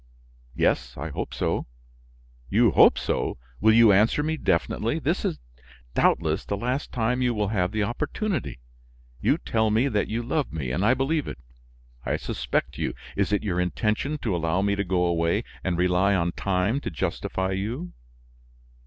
"Yes, I hope so." "You hope so! Will you answer me definitely? This is, doubtless, the last time you will have the opportunity. You tell me that you love me, and I believe it. I suspect you; is it your intention to allow me to go away and rely on time to justify you?"